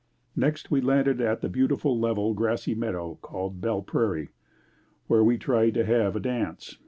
Next we landed at a beautiful level grassy meadow called Belle Prairie, where we tried to have a dance.